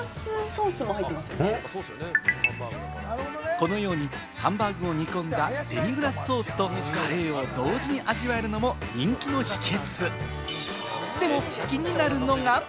このようにハンバーグを煮込んだデミグラスソースとカレーを同時に味わえるのも人気の秘訣。